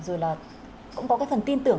rồi là cũng có cái phần tin tưởng